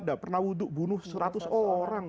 nggak pernah bunuh seratus orang